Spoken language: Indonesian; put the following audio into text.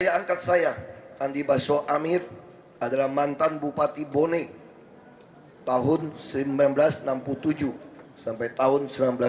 ayah angkat saya andi baso amir adalah mantan bupati bonek tahun seribu sembilan ratus enam puluh tujuh sampai tahun seribu sembilan ratus sembilan puluh